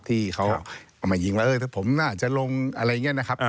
ที่เขาเอามายิงว่าเออถ้าผมน่าจะลงอะไรอย่างนี้นะครับ